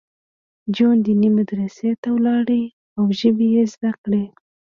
جون دیني مدرسې ته لاړ او ژبې یې زده کړې